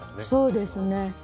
そうですね。